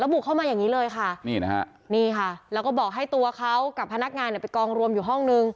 บุกเข้ามาอย่างนี้เลยค่ะนี่นะฮะนี่ค่ะแล้วก็บอกให้ตัวเขากับพนักงานเนี่ยไปกองรวมอยู่ห้องนึง